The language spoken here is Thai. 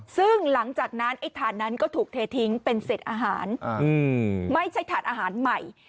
ซึ่งหลังจากนั้นไอ้ถ่านนั้นก็ถูกเททิ้งเป็นเศษอาหารไม่ใช่ถ่านอาหารใหม่